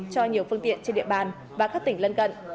cho nhiều phương tiện trên địa bàn và các tỉnh lân cận